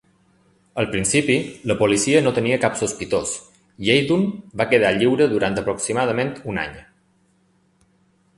Al principi, la policia no tenia cap sospitós, i Eithun va quedar lliure durant aproximadament un any.